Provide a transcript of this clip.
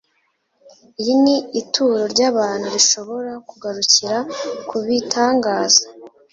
iyi ni ituro ryabantu rishobora kugarukira kubitangaza."